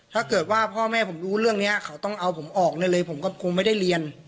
ถ้าเกิดว่าพ่อแม่ผมรู้เรื่องนี้เขาต้องเอาผมออกได้เลยผมก็คงไม่ได้เรียน